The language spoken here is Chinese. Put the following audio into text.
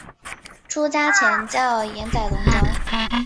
出家前叫岩仔龙庄。